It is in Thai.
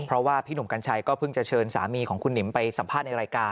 เพราะว่าพี่หนุ่มกัญชัยก็เพิ่งจะเชิญสามีของคุณหนิมไปสัมภาษณ์ในรายการ